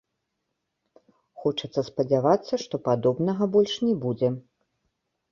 Хочацца спадзявацца, што падобнага больш не будзе.